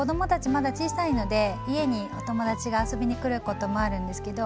まだ小さいので家にお友達が遊びに来ることもあるんですけど私